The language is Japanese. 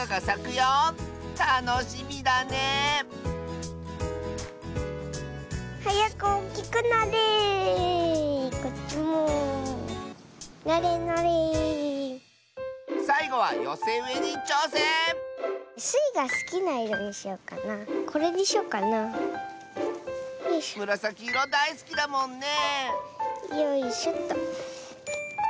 よいしょっと。